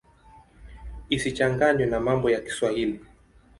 Isichanganywe na mambo ya Kiswahili.